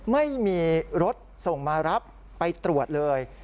ไม่มีรถส่งมารับไปตรวจเลย